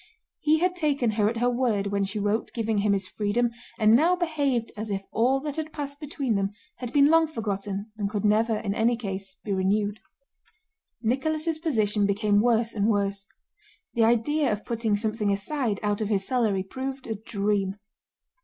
He had taken her at her word when she wrote giving him his freedom and now behaved as if all that had passed between them had been long forgotten and could never in any case be renewed. Nicholas' position became worse and worse. The idea of putting something aside out of his salary proved a dream.